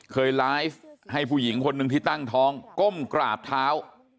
เคยไลฟ์ให้ผู้หญิงคนหนึ่งที่ตั้งท้องก้มกราบเท้า